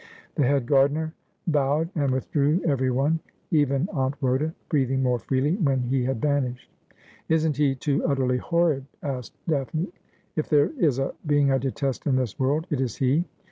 The head gardener bowed and withdrew, everyone — even Aunt Rhoda — breathing more freely when he had vanished. ' Isn't he too utterly horrid ?' asked Daphne. ' If there is a being I detest in this world it is he.